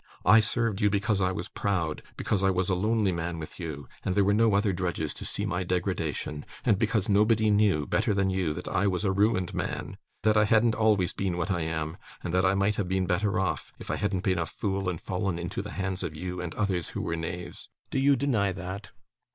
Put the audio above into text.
I served you because I was proud; because I was a lonely man with you, and there were no other drudges to see my degradation; and because nobody knew, better than you, that I was a ruined man: that I hadn't always been what I am: and that I might have been better off, if I hadn't been a fool and fallen into the hands of you and others who were knaves. Do you deny that?